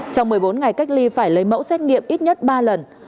trong một mươi bốn ngày cách ly phải lấy mẫu xét nghiệm ít nhất ba lần